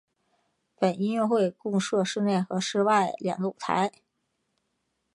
本音乐会共设室内及室外两个舞台。